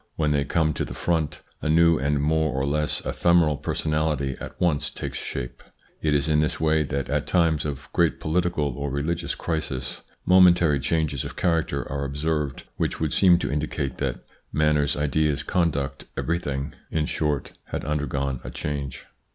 When they come to the front, a new and more or less ephemeral personality at once takes shape. It is in this way that at times of great political or religious crisis, momentary changes of character are observed, which would seem to indicate that manners, ideas, conduct, everything 20 THE PSYCHOLOGY OF PEOPLES: in short, had undergone a change.